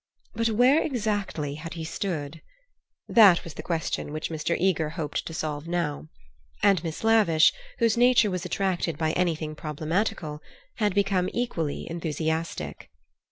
But where exactly had he stood? That was the question which Mr. Eager hoped to solve now. And Miss Lavish, whose nature was attracted by anything problematical, had become equally enthusiastic.